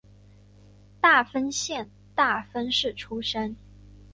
大分县大分市出身。